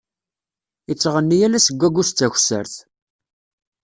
Ittɣenni ala seg agus d takessert.